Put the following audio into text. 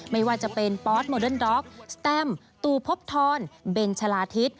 ไม่ว่าจะเป็นปอสโมเดิร์ด็อกสแตมตู่พบทรเบนชะลาทิศ